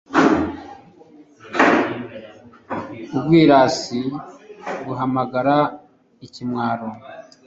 ubwirasi buhamagara ikimwaro